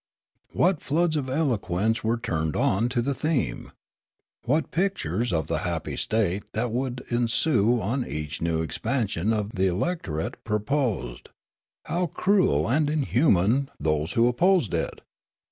What floods of eloquence were turned on to the theme ! What pictures of the happy state that would ensue on each new ex pansion of the electorate proposed ! How cruel and in human those who opposed it